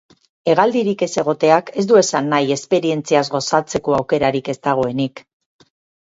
Hegaldirik ez egoteak ez du esan nahi esperientziaz gozatzeko aukerarik ez dagoenik.